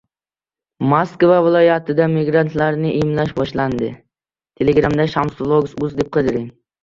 Moskva viloyatida migrantlarni emlash boshlandi